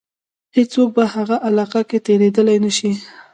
هیڅوک په هغه علاقه کې تېرېدلای نه شي.